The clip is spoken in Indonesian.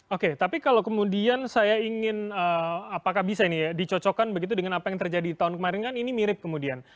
oke tapi kalau kemudian saya ingin apakah bisa ini ya dicocokkan begitu dengan apa yang terjadi tahun kemarin kan ini mirip kemudian